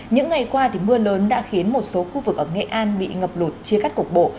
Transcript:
những ngày qua mưa lớn đã khiến một số khu vực ở nghệ an bị ngập lụt chia cắt cục bộ